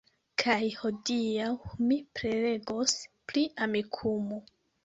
Kaj hodiaŭ mi prelegos pri Amikumu!